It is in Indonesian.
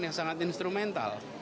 yang sangat instrumental